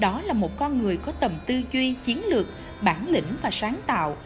đồng chí đó là một con người có tầm tư duy chiến lược bản lĩnh và sáng tạo